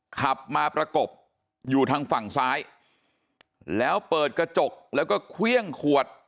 ขับมาประกบอยู่ทางฝั่งซ้ายแล้วเปิดกระจกแล้วก็เครื่องขวด